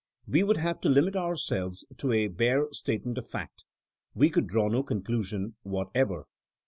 We would have to limit ourselves to a bare statement of fact; we could draw no con clusion whatever.